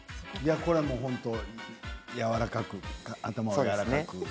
これが本当にやわらかく頭をやわらかく。